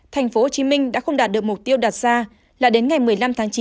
thành phố hồ chí minh đã không đạt được mục tiêu đạt ra là đến ngày một mươi năm tháng chín